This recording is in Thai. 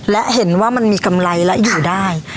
และเห็นว่ามันมีกำไรและอยู่ได้